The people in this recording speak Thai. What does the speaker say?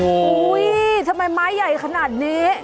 โอ้โหทำไมไม้ใหญ่ขนาดนี้